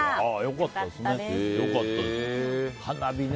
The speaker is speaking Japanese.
良かったですね。